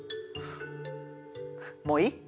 もういい？